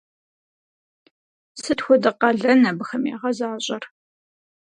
Сыт хуэдэ къалэн абыхэм ягъэзащӏэр?